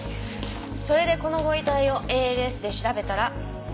それでこのご遺体をＡＬＳで調べたら。